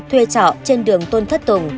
thuê trọ trên đường tôn thất tùng